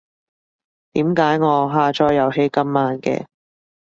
點解我下載遊戲咁慢嘅？